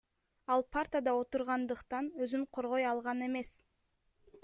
Ал партада отургандыктан өзүн коргой алган эмес.